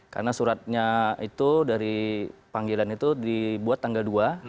karena suratnya itu dari panggilan itu dibuat tanggal dua